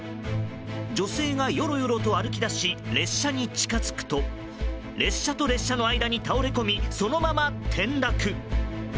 女性がよろよろと歩き出し列車に近づくと列車と列車の間に倒れ込みそのまま転落。